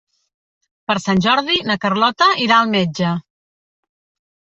Per Sant Jordi na Carlota irà al metge.